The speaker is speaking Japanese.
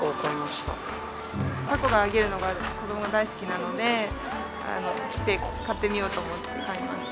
たこが揚げるのが、子どもが大好きなので、買ってみようかと思って買いました。